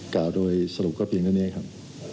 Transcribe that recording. กล่าวโดยสรุปก็เพียงเท่านี้ครับ